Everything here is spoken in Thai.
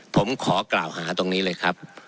ผมขอกล่าวหาตรงนี้เลยครับ